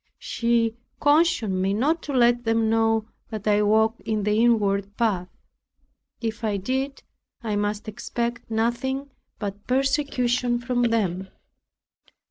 He cautioned me not to let them know that I walked in the inward path. If I did, I must expect nothing but persecution from them.